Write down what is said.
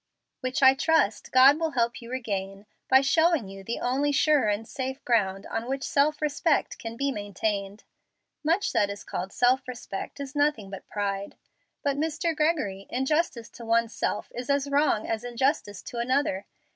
"Which I trust God will help you regain by showing you the only sure and safe ground on which self respect can be maintained. Much that is called self respect is nothing but pride. But, Mr. Gregory, injustice to one's self is as wrong as injustice to another.